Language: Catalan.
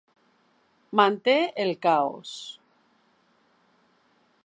Manté el caos.